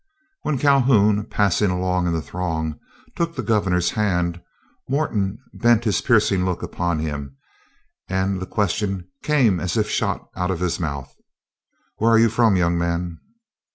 When Calhoun, passing along in the throng, took the Governor's hand, Morton bent his piercing look upon him, and the question came as if shot out of his mouth, "Where from, young man?"